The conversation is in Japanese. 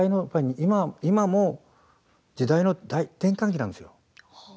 今も時代の転換期なんですよ。